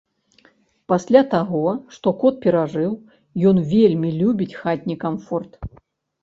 Пасля таго, што кот перажыў, ён вельмі любіць хатні камфорт.